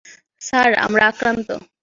Sir, আমরা আক্রান্ত।